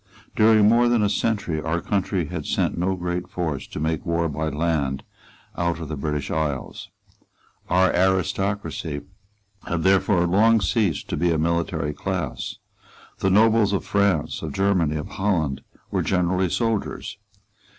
During more than a century our country had sent no great force to make war by land out of the British isles. Our aristocracy had therefore long ceased to be a military class. The nobles of France, of Germany, of Holland, were generally soldiers.